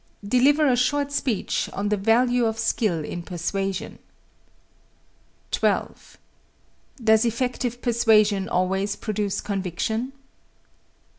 Deliver a short speech on the value of skill in persuasion. 12. Does effective persuasion always produce conviction?